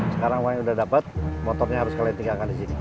sekarang uang yang udah dapat motornya harus kalian tinggalkan di sini